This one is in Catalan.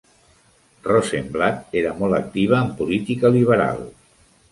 Rosenblatt era molt activa en política liberal.